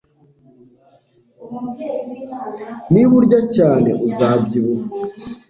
niba urya cyane, uzabyibuha